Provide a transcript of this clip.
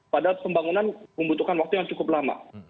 padahal pembangunan membutuhkan waktu yang cukup lama